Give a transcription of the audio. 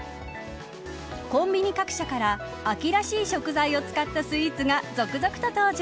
コンビニ各社から秋らしい食材を使ったスイーツが続々と登場。